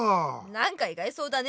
なんか意外そうだね。